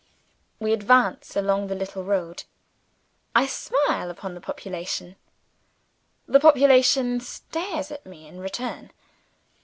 We advance along the little road. I smile upon the population. The population stares at me in return.